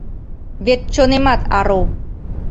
Вет чонемат ару.